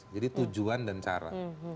jadi tujuan dan cara